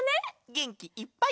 げんきいっぱい！